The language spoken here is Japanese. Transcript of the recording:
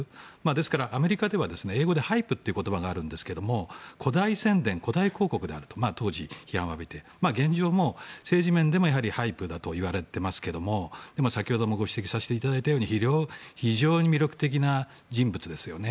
ですから、アメリカでは英語でハイプって言葉がありますが誇大宣伝、誇大広告であると当時、批判を浴びて現状も政治面でもハイプだと言われていますけど先ほどもご指摘させていただいたように非常に魅力的な人物ですよね。